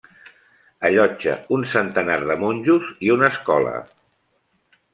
Allotja un centenar de monjos i una escola.